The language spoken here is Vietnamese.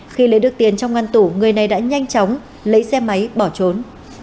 khi lấy được tiền trong ngăn tủ người này đã nhanh chóng lấy xe máy bỏ trốn